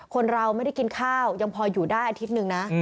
คนเราไม่ได้กินข้าวยังพออยู่ได้อาทิตย์หนึ่งนะ